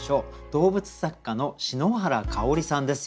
動物作家の篠原かをりさんです。